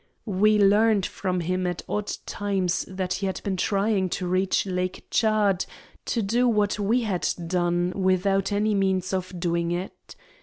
We learned from him at odd times that he had been trying to reach Lake Tchad, to do what we had done, without any means of doing it.